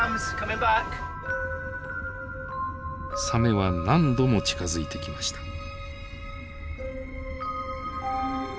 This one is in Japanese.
サメは何度も近づいてきました。